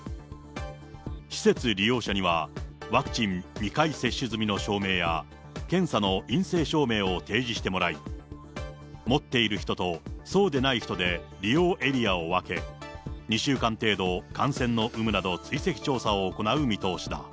施設利用者には、ワクチン２回接種済みの証明や、検査の陰性証明を提示してもらい、持っている人とそうでない人で利用エリアを分け、２週間程度感染の有無など追跡調査を行う見通しだ。